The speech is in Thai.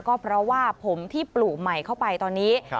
ก็เพราะว่าผมที่ปลูกใหม่เข้าไปตอนนี้